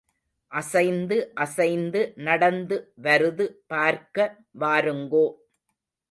அசைந்து, அசைந்து நடந்து வருது பார்க்க வாருங்கோ.